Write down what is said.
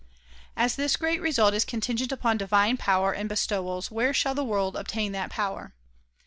As this great result is contingent upon divine power and bestow als, where shall the world obtain that power?